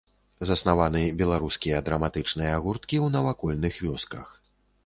Заснаваны беларускія драматычныя гурткі ў навакольных вёсках.